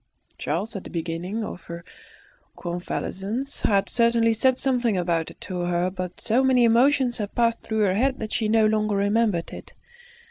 Charles, at the beginning of her convalescence, had certainly said something about it to her, but so many emotions had passed through her head that she no longer remembered it.